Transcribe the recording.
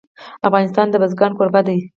افغانستان د بزګان کوربه دی.